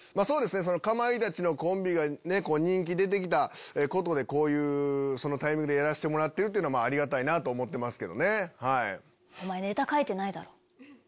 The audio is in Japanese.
かまいたちのコンビが人気出てきたことでこういうタイミングでやらしてもらってるのはありがたいなと思ってますけどね。